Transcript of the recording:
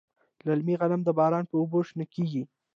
للمي غنم د باران په اوبو شنه کیږي.